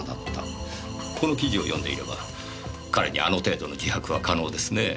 この記事を読んでいれば彼にあの程度の自白は可能ですね。